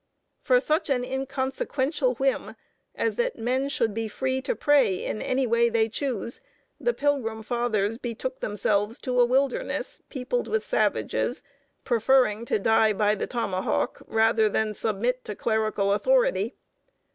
For such an inconsequential whim as that men should be free to pray in any way they choose, the Pilgrim Fathers betook themselves to a wilderness peopled with savages, preferring to die by the tomahawk rather than submit to clerical authority.